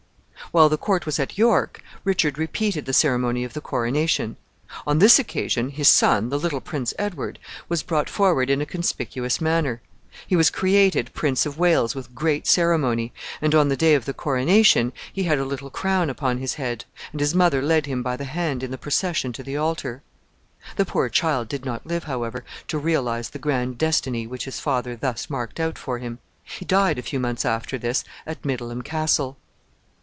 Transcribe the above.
While the court was at York, Richard repeated the ceremony of the coronation. On this occasion, his son, the little Prince Edward, was brought forward in a conspicuous manner. He was created Prince of Wales with great ceremony, and on the day of the coronation he had a little crown upon his head, and his mother led him by the hand in the procession to the altar. The poor child did not live, however, to realize the grand destiny which his father thus marked out for him. He died a few months after this at Middleham Castle.